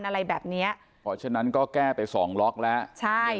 อะไรแบบเนี้ยเพราะฉะนั้นก็แก้ไปสองล็อกแล้วใช่